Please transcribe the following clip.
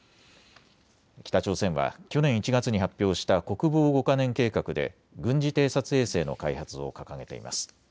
北朝鮮は去年１月に発表した国防５か年計画で軍事偵察衛星の開発を掲げています。